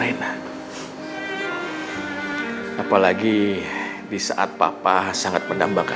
ucapin kayak mana ya pas mereka